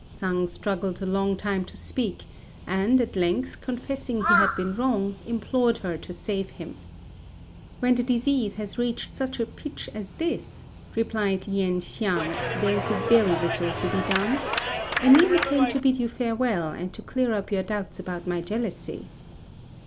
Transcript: Sang struggled a long time to speak; and, at length, confessing he had been wrong, implored her to save him. "When the disease has reached such a pitch as this," replied Lien hsiang, "there is very little to be done. I merely came to bid you farewell, and to clear up your doubts about my jealousy."